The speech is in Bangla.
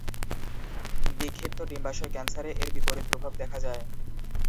বিক্ষিপ্ত ডিম্বাশয় ক্যান্সারে এর বিপরীত প্রভাব দেখা যায়।